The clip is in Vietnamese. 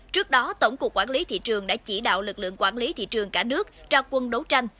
trước đó tổng cục quản lý thị trường đã chỉ đạo lực lượng quản lý thị trường cả nước ra quân đấu tranh